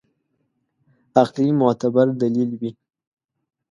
عقلي معتبر دلیل وي.